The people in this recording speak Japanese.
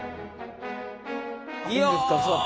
いや！